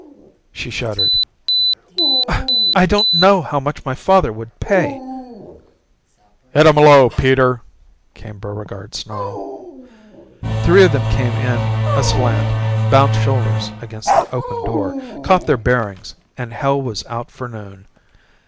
She shuddered. "I don't know how much father would pay " "Hit 'em low, Peter!" came Buregarde's snarl. Three of them came in a slant, bounced shoulders against the opened door, caught their bearings and hell was out for noon.